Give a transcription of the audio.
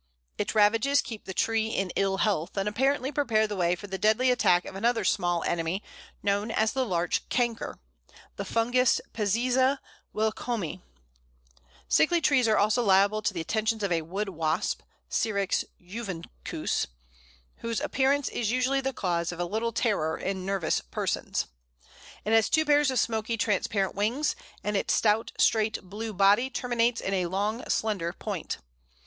Its ravages keep the tree in ill health, and apparently prepare the way for the deadly attack of another small enemy, known as the Larch Canker the fungus Peziza willkommii. Sickly trees are also liable to the attentions of a Wood wasp (Sirex juvencus), whose appearance is usually the cause of a little terror in nervous persons. It has two pairs of smoky transparent wings, and its stout, straight, blue body terminates in a long slender point.